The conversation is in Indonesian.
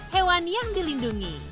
hewan yang dilindungi